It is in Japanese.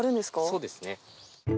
そうですね。